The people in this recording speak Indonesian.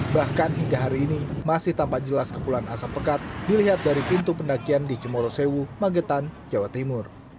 bahkan hingga hari ini masih tampak jelas kepulan asap pekat dilihat dari pintu pendakian di cemorosewu magetan jawa timur